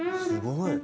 すごい！